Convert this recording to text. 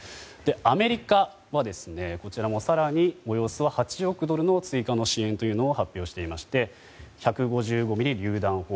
アメリカは更におよそ８億ドルの追加の支援というのを発表していまして１５５ｍｍりゅう弾砲